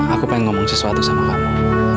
aku pengen ngomong sesuatu sama kamu